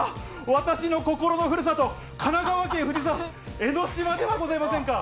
私の心のふるさと、神奈川県藤沢、江の島ではございませんか。